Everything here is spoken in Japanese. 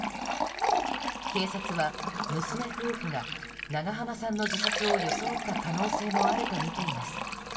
警察は娘夫婦が長濱さんの自殺を装った可能性もあるとみています。